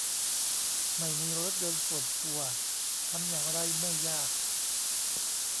ไม่มีรถยนต์ส่วนตัวทำอย่างไรไม่ยาก